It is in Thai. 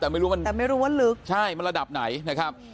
แต่ไม่รู้มันแต่ไม่รู้ว่าลึกใช่มันระดับไหนนะครับ